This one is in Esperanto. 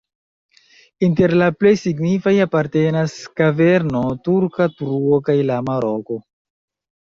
Inter la plej signifaj apartenas kaverno Turka truo kaj Lama Roko.